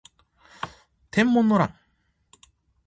天文の乱